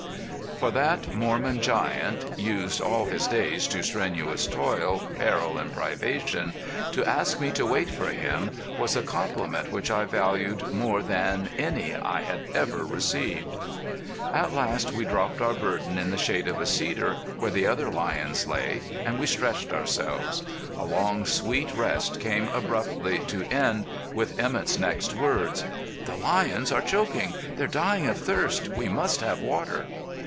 For that Mormon giant used all his days to strenuous toil, peril and privation to ask me to wait for him, was a compliment which I valued more than any I had ever received. At last we dropped our burden in the shade of a cedar where the other lions lay, and we stretched ourselves. A long, sweet rest came abruptly to end with Emett's next words. "The lions are choking! They're dying of thirst! We must have water!"